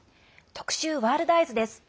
特集「ワールドＥＹＥＳ」です。